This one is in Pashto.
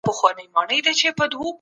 په فساد کي هیڅ ګټه نسته.